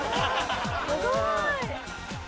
すごい。